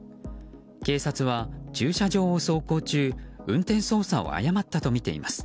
警察は駐車場を走行中運転操作を誤ったとみています。